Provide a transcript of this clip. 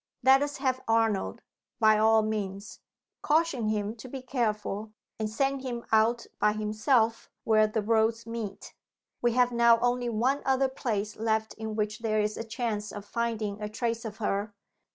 Let us have Arnold, by all means. Caution him to be careful; and send him out by himself, where the roads meet. We have now only one other place left in which there is a chance of finding a trace of her.